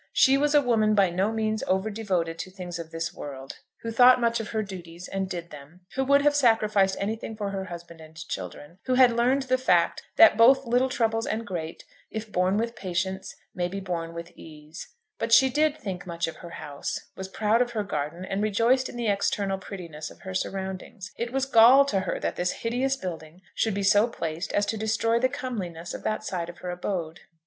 She was a woman by no means over devoted to things of this world, who thought much of her duties and did them, who would have sacrificed anything for her husband and children, who had learned the fact that both little troubles and great, if borne with patience, may be borne with ease; but she did think much of her house, was proud of her garden, and rejoiced in the external prettiness of her surroundings. It was gall to her that this hideous building should be so placed as to destroy the comeliness of that side of her abode.